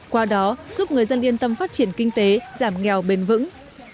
qua đó giúp người dân yên tâm phát triển kinh tế giảm nghèo bền vững